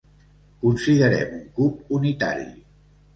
Considerem un cub unitari.